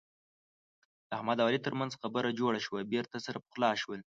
د احمد او علي ترمنځ خبره جوړه شوه. بېرته سره پخلا شول.